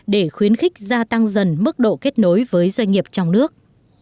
để khuyến khích gia tăng dần mức độ kết nối với doanh nghiệp trong nước